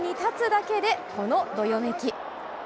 打席に立つだけでこのどよめき。